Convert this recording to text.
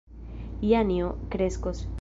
Janjo kreskos.